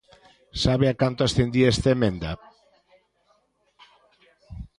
¿Sabe a canto ascendía esta emenda?